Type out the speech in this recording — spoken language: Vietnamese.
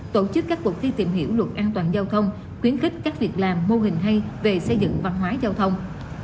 tổ chức các cuộc thi tìm hiểu luật an toàn giao thông khuyến khích các việc làm mô hình hay về xây dựng văn hóa giao thông